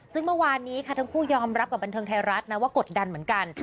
ซึ่งเมื่อวานนี้ค่ะทั้งคู่ยอมรับกับบันเทิงไทยรัฐนะว่ากดดันเหมือนกัน